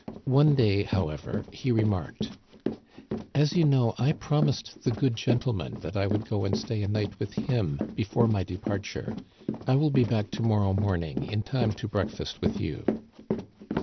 One day, however, he remarked :As you know, I promised * the good gentleman ' that I would go and stay a night with him before my departure. I will be back to morrow morning in time to breakfast with you."